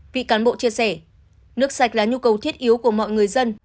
vị cán bộ chia sẻ nước sạch là nhu cầu thiết yếu của mọi người dân